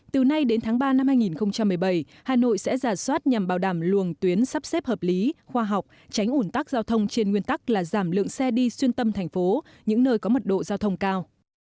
từ nay đến tháng ba năm hai nghìn một mươi bảy hà nội sẽ giả soát nhằm bảo đảm luồng tuyến sắp xếp hợp lý khoa học tránh ủn tắc giao thông trên nguyên tắc là giảm lượng xe đi xuyên tâm thành phố những nơi có mật độ giao thông cao